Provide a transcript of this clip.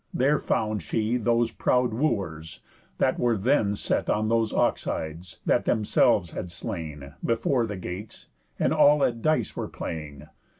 There found she those proud wooers, that were then Set on those ox hides that themselves had slain, Before the gates, and all at dice were playing.